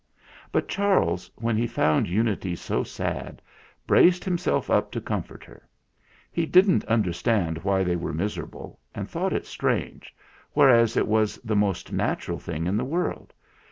But Charles, when he found Unity so sad, braced himself up to comfort her. He didn't understand why they were miserable, and thought it strange, whereas it was the most natural thing in the world.